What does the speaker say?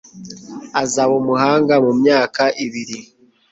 Azaba umuganga mumyaka ibiri.